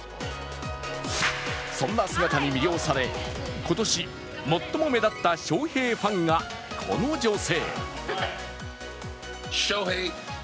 そんな姿に魅了され、今年、最も目立ったショウヘイファンがこの女性。